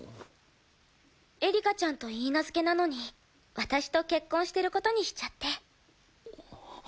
エリカちゃんと許嫁なのに私と結婚してる事にしちゃって。